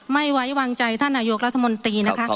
ไม่ไว้วางใจท่านนายกรัฐมนตรีนะคะ